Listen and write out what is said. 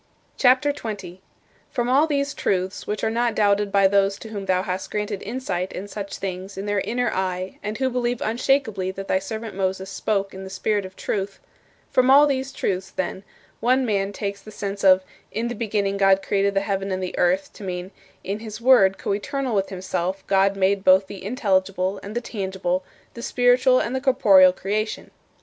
CHAPTER XX 29. From all these truths, which are not doubted by those to whom thou hast granted insight in such things in their inner eye and who believe unshakably that thy servant Moses spoke in the spirit of truth from all these truths, then, one man takes the sense of "In the beginning God created the heaven and the earth" to mean, "In his Word, coeternal with himself, God made both the intelligible and the tangible, the spiritual and the corporeal creation."